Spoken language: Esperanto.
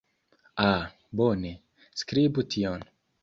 Ah, bone. Skribu tion.